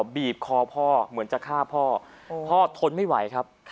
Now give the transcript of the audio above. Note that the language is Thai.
บีบคอพ่อเหมือนจะฆ่าพ่อพ่อทนไม่ไหวครับ